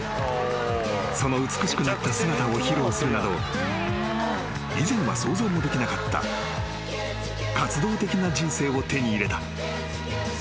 ［その美しくなった姿を披露するなど以前は想像もできなかった活動的な人生を手に入れた］